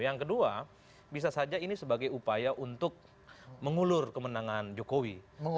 yang kedua bisa saja ini sebagai upaya untuk mengulur kemenangan jokowi